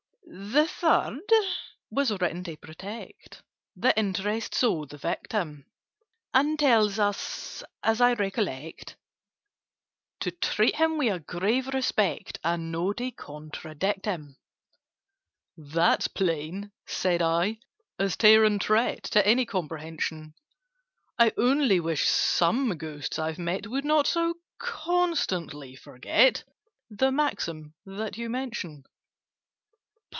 "The Third was written to protect The interests of the Victim, And tells us, as I recollect, To treat him with a grave respect, And not to contradict him." "That's plain," said I, "as Tare and Tret, To any comprehension: I only wish some Ghosts I've met Would not so constantly forget The maxim that you mention!"